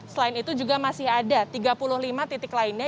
selain itu juga masih ada tiga puluh lima titik lainnya